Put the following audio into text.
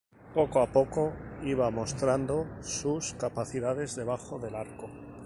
Poco a poco, iba mostrando sus capacidades debajo del arco.